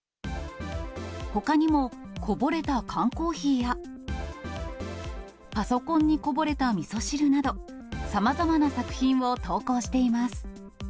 ほかにもこぼれた缶コーヒーや、パソコンにこぼれたみそ汁など、さまざまな作品を投稿しています。